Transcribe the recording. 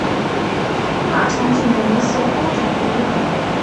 腊肠犬的颜色多种多样。